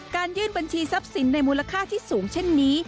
ยื่นบัญชีทรัพย์สินในมูลค่าที่สูงเช่นนี้